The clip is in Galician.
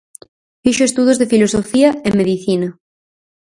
Fixo estudos de filosofía e medicina.